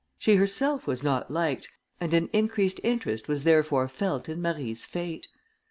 She herself was not liked, and an increased interest was therefore felt in Marie's fate.